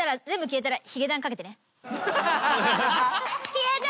消えた！